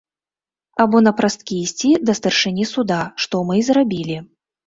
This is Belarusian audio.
Або напрасткі ісці да старшыні суда, што мы і зрабілі.